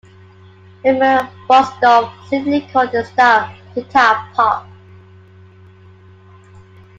Reimer Bustorff simply called their style "guitar pop".